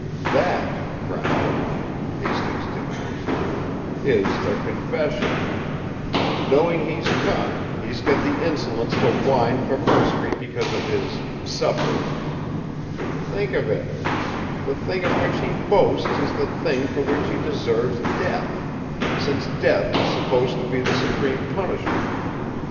"That, Crown," Hastings denounced, "is a confession! Knowing he's caught, he's got the insolence to whine for mercy because of his 'sufferings'! Think of it! The thing of which he boasts is the thing for which he deserves death since death is supposed to be the supreme punishment.